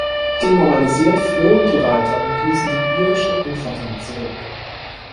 Demoralisiert flohen die Reiter und ließen die irische Infanterie zurück.